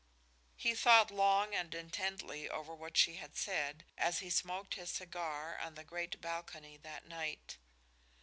He thought long and intently over what she had said as he smoked his cigar on the great balcony that night.